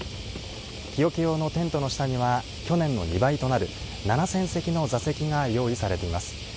日よけ用のテントの下には、去年の２倍となる７０００席の座席が用意されています。